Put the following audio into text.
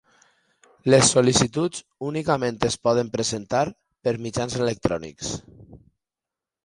Les sol·licituds únicament es poden presentar per mitjans electrònics.